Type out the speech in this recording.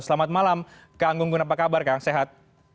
selamat malam kang gunggun apa kabar kang sehat